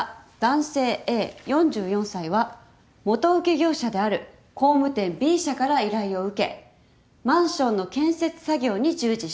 ４４歳は元請け業者である工務店Ｂ社から依頼を受けマンションの建設作業に従事していた。